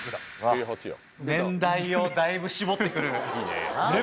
年代をだいぶ絞って来る。